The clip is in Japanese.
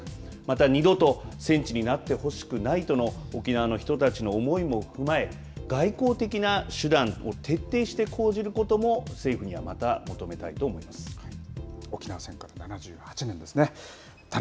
また二度と戦地になってほしくないとの沖縄の人たちの思いも踏まえ外交的な手段を徹底して講じることも政府にはまた沖縄戦から７８年ですね。